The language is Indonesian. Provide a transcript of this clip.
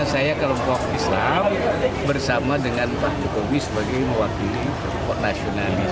saya kelompok islam bersama dengan pak jokowi sebagai mewakili kelompok nasionalis